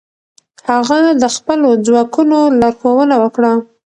هغه د خپلو ځواکونو لارښوونه وکړه.